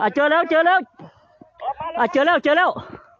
เจอแล้วเจอแล้ว